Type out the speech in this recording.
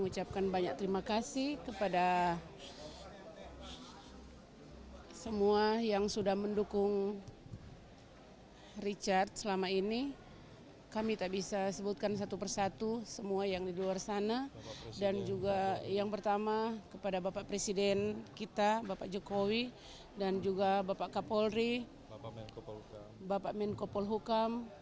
jangan lupa like share dan subscribe ya